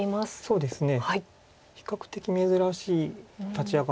そうですね。